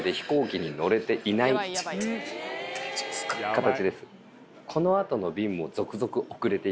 形です。